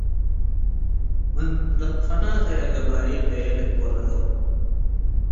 ምን ለተፈናተየ ገበይል ህይ ልትወለዶ ።